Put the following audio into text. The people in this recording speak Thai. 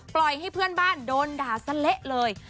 ปล่อยให้เพื่อนบ้านโดนด่าซะเละเลย